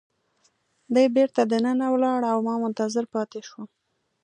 دی بیرته دننه ولاړ او ما منتظر پاتې شوم.